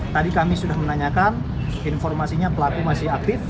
tadi kami sudah menanyakan informasinya pelaku masih aktif